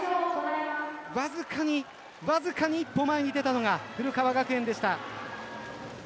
わずかにわずかに一歩前に出たのが古川学園でした。